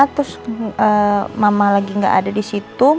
terus mama lagi nggak ada di situ